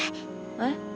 えっ？